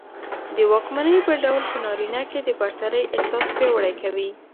د واکمنۍ بل ډول په نارينه کې د برترۍ احساس پياوړى کوي